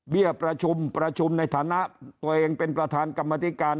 ประชุมประชุมในฐานะตัวเองเป็นประธานกรรมธิการ